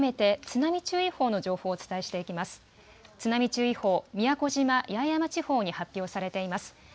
津波注意報、宮古島・八重山地方に発表されています。